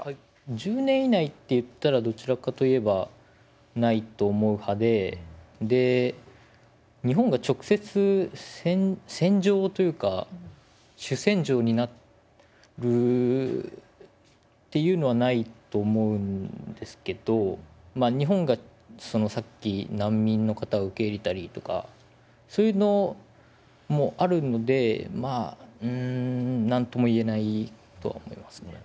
１０年以内っていったらどちらかといえばないと思う派でで日本が直接戦場というか主戦場になるっていうのはないと思うんですけどまあ日本がさっき難民の方を受け入れたりとかそういうのもあるのでまあうん何とも言えないとは思いますね。